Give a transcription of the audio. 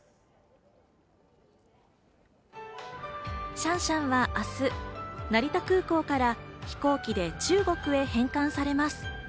シャンシャンは明日、成田空港から飛行機で中国へ返還されます。